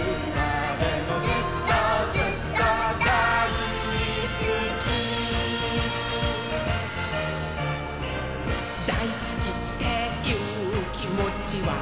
「ずっとずっとだいすき」「だいすきっていうきもちは」